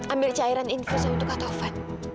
ambil cairan infusnya untuk kak taufan